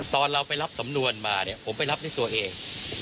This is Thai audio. ตอนเราไปรับสำนวนมาเนี่ยผมไปรับด้วยตัวเอง